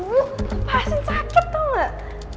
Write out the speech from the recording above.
duh pasin sakit tau gak